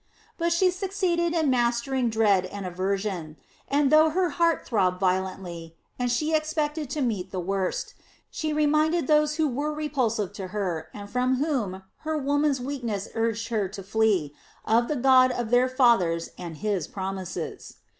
But she succeeded in mastering dread and aversion, and though her heart throbbed violently, and she expected to meet the worst, she reminded those who were repulsive to her and from whom her woman's weakness urged her to flee, of the God of their fathers and His promises.